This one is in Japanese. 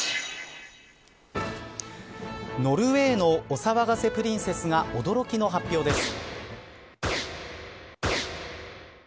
ノルウェーのお騒がせプリンセスが驚きの発表です。